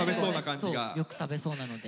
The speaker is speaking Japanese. そうよく食べそうなので。